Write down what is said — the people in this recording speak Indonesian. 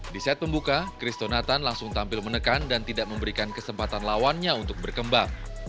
di set pembuka christo nathan langsung tampil menekan dan tidak memberikan kesempatan lawannya untuk berkembang